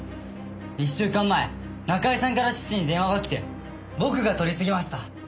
一週間前中居さんから父に電話がきて僕が取り次ぎました。